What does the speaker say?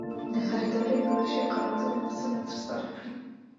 د خریدارۍ پروژې قرارداد اصولاً ترسره کړي.